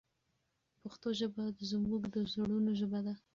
پښتو ژبه زموږ د زړونو ژبه ده.